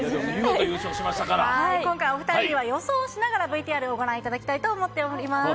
今回お二人には予想しながらＶＴＲをご覧いただきたいと思っております。